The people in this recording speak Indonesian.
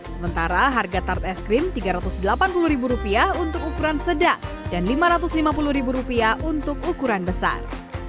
sementara harga tart es krim rp tiga ratus delapan puluh untuk ukuran sedang dan rp lima ratus lima puluh untuk ukuran besar